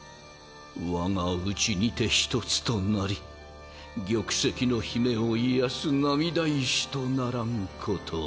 我が内にて一つとなり玉石の姫を癒やす涙石とならんことを。